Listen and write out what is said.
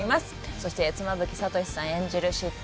そして妻夫木聡さん演じる執刀